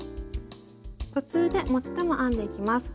途中で持ち手も編んでいきます。